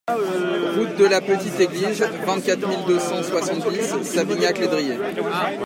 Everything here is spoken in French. Route de la Petite Église, vingt-quatre mille deux cent soixante-dix Savignac-Lédrier